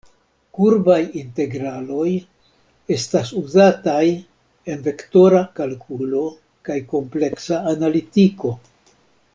Kurbaj integraloj estas uzataj en vektora kalkulo kaj kompleksa analitiko.